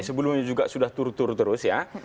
sebelumnya juga sudah tur tur terus ya